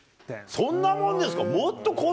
そんなもんですか？